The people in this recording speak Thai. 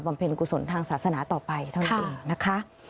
บำเพ็ญกุศลทางศาสนาต่อไปเท่าไหร่นะคะ